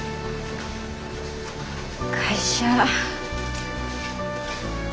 会社。